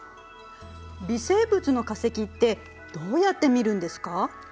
微生物の化石ってどうやって見るんですか？